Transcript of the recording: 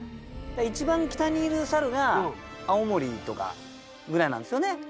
一番北にいる猿が青森とかぐらいなんですよね。